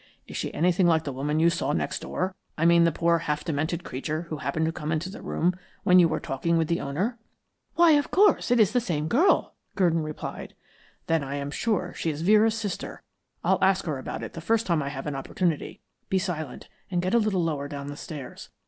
"Is she anything like the woman you saw next door? I mean the poor half demented creature who happened to come into the room when you were talking with the owner?" "Why, of course, it is the same girl," Gurdon replied. "Then I am sure she is Vera's sister. I'll ask her about it the first time I have an opportunity. Be silent and get a little lower down the stairs.